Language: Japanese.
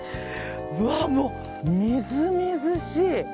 もう、みずみずしい！